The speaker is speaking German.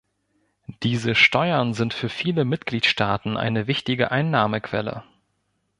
Diese Steuern sind für viele Mitgliedstaaten eine wichtige Einnahmequelle.